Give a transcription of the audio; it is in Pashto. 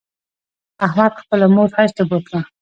احمد خپله مور حج ته بوتله